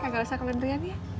ya kagak usah kemendrian ya